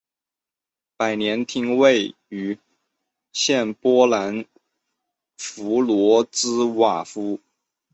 百年厅位于现波兰弗罗茨瓦夫。